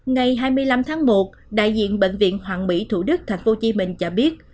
ngày hai mươi năm tháng một đại diện bệnh viện hoàng mỹ thủ đức tp hcm cho biết